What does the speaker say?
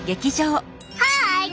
はい！